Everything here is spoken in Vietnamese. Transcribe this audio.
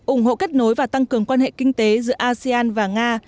ủng hộ kết nối và tăng cường quan hệ kinh tế giữa asean và nga